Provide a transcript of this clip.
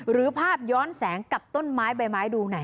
หรือภาพย้อนแสงกับต้นไม้ใบไม้ดูไหน